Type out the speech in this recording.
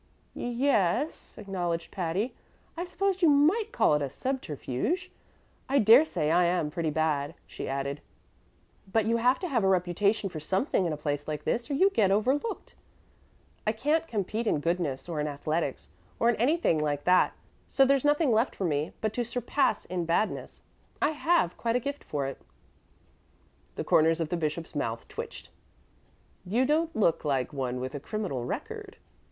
"Y yes," acknowledged Patty; "I suppose you might call it a subterfuge. I dare say I am pretty bad," she added, "but you have to have a reputation for something in a place like this or you get overlooked. I can't compete in goodness or in athletics or in anything like that, so there's nothing left for me but to surpass in badness I have quite a gift for it." The corners of the bishop's mouth twitched. "You don't look like one with a criminal record."